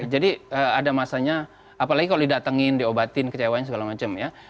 jadi ada masanya apalagi kalau didatengin diobatin kecewanya segala macam ya